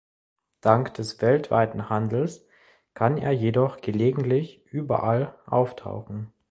Dank des weltweiten Handels kann er jedoch gelegentlich überall auftauchen.